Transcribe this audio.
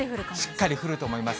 しっかり降ると思います。